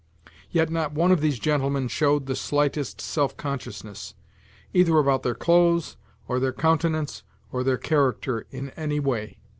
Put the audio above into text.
Yet not one of these gentlemen showed the slightest self consciousness either about their clothes or their countenance or their character in any way.